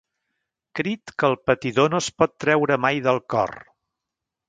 Crit que el patidor no es pot treure mai del cor.